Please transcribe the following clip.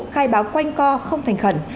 khai báo quanh co không thành khẩn